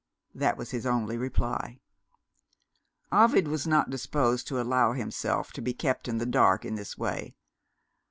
That was his only reply. Ovid was not disposed to allow himself to be kept in the dark in this way.